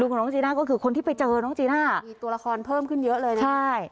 ของน้องจีน่าก็คือคนที่ไปเจอน้องจีน่ามีตัวละครเพิ่มขึ้นเยอะเลยนะใช่